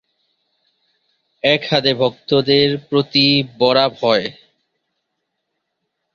এক হাতে ভক্তদের প্রতি বরাভয়।